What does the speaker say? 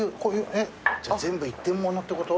じゃあ全部一点物ってこと？